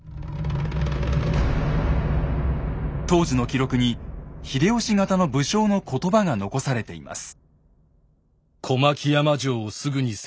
当時の記録に秀吉方の武将の言葉が残されています。